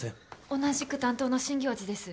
同じく担当の真行寺です。